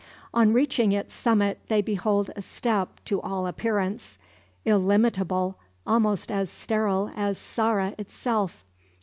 On reaching its summit they behold a steppe to all appearance; illimitable, almost as sterile as Saara itself.